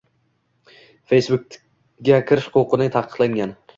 Facebook’ga kirish huquqining taqiqlagan.